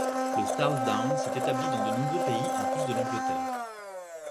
Le southdown s'est établi dans de nombreux pays en plus de l'Angleterre.